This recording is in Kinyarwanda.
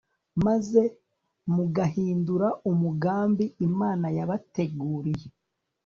maze mugahindura umugambi Imana yabateguriye